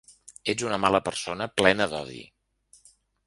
Ets una mala persona plena d’odi.